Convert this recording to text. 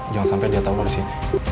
jangan sampe dia tau lo disini